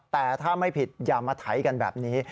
แต่ถ้าไม่ผิดอย่ามาไถกันแบบนี้